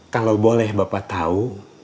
kalau boleh bapak tau